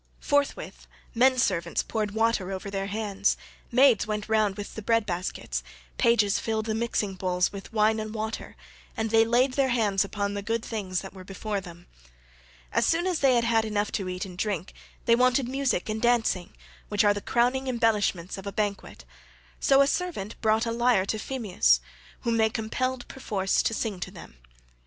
3 Forthwith men servants poured water over their hands, maids went round with the bread baskets, pages filled the mixing bowls with wine and water, and they laid their hands upon the good things that were before them. As soon as they had had enough to eat and drink they wanted music and dancing, which are the crowning embellishments of a banquet, so a servant brought a lyre to Phemius, whom they compelled perforce to sing to them.